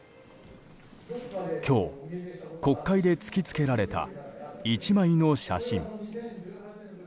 今日、国会で突き付けられた１枚の写真。